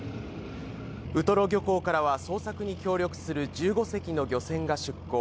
ウトロ漁港からは捜索に協力する１５隻の漁船が出港。